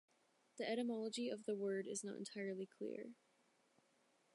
The etymology of the word is not entirely clear.